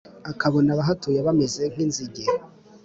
akabona abahatuye bameze nk’inzige !